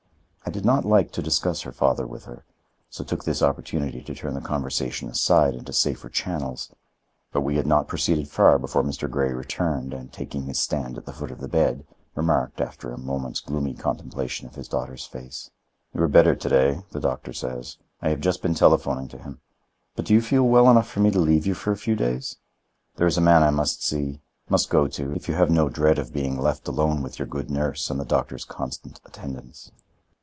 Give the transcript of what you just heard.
I did not like to discuss her father with her, so took this opportunity to turn the conversation aside into safer channels. But we had not proceeded far before Mr. Grey returned and, taking his stand at the foot of the bed, remarked, after a moment's gloomy contemplation of his daughter's face: "You are better today, the doctor says,—I have just been telephoning to him. But do you feel well enough for me to leave you for a few days? There is a man I must see—must go to, if you have no dread of being left alone with your good nurse and the doctor's constant attendance."